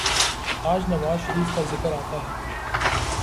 آج نواز شریف کا ذکر آتا ہے۔